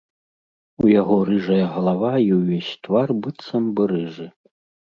У яго рыжая галава і ўвесь твар быццам бы рыжы.